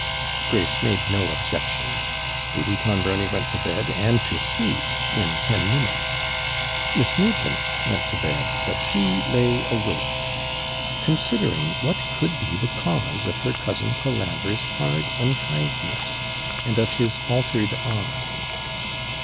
Grace made no objection; Lady Clonbrony went to bed and to sleep in ten minutes, Miss Nugent went to bed; but she lay awake, considering what could be the cause of her cousin Colambre's hard unkindness, and of 'his altered eye.'